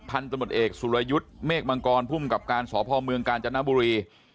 พันธมตเอกสุรยุทธ์เมฆมังกรภูมิกับการสพเมืองกาญจนบุรี